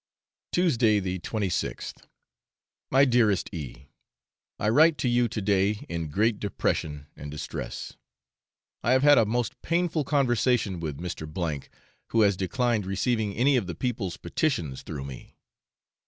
Tuesday, the 26th. My dearest E . I write to you to day in great depression and distress. I have had a most painful conversation with Mr. , who has declined receiving any of the people's petitions through me.